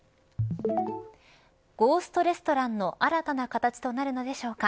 ゴーストレストランの新たな形となるのでしょうか。